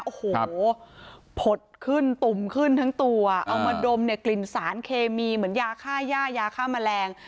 โอ้โหผดขึ้นตุ่มขึ้นทั้งตัวเอามาดมเนี่ยกลิ่นสารเคมีเหมือนยาค่าย่ายาฆ่าแมลง